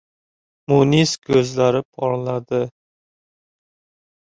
Munis ko‘zlari porladi.